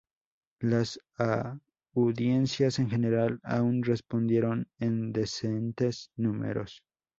Las audiencias en general aún respondieron en decentes números.